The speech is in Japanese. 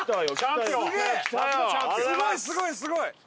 すごいすごいすごい！